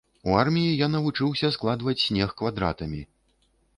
У арміі я навучыўся складваць снег квадратамі.